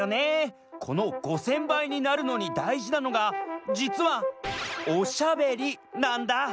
この５，０００ばいになるのにだいじなのがじつはおしゃべりなんだ！